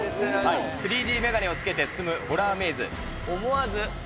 ３Ｄ眼鏡をかけて進むホラーメイズ。